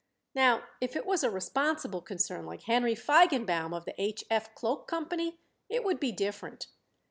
Now, if it was a responsible concern like Henry Feigenbaum, of the H. F. Cloak Company, it would be different."